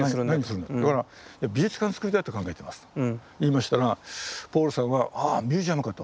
「美術館つくりたいと考えてます」と言いましたらポールさんは「ああミュージアムか」と。